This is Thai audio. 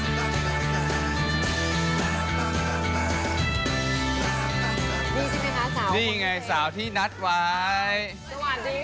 ดีใช่ไหมคะนี่ไงสาวที่นัดไว้